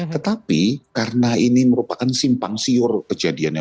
tetapi karena ini merupakan simpang siur kejadiannya